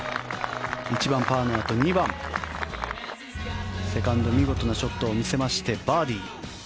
１番、パーのあと２番セカンド、見事なショットを見せましてバーディー。